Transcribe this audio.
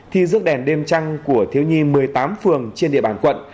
thi rước đèn đêm trăng của thiếu nhi một mươi tám phường trên địa bàn quận